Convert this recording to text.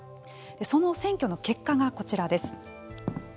その選挙の結果がこちらです。